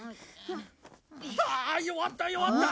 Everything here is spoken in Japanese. ああ弱った弱った！